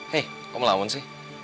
hei kok melawan sih